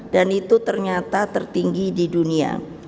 dan itu ternyata tertinggi di dunia